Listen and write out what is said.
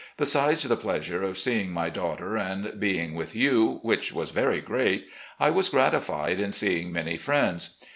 Besides the pleasure of seeing my daughter and being with you, which was very great, I was gratified in seeing many friends.